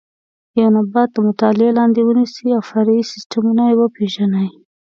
یو نبات د مطالعې لاندې ونیسئ او فرعي سیسټمونه یې وپېژنئ.